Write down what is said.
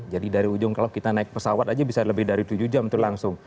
jadi dari ujung kalau kita naik pesawat saja bisa lebih dari tujuh jam itu langsung